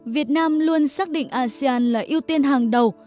việt nam luôn xác định asean là ưu tiên hàng đầu